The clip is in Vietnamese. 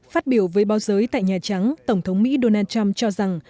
phát biểu với báo giới tại nhà trắng tổng thống mỹ donald trump cho rằng